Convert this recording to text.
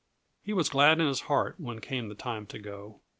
He was glad in his heart when came the time to go.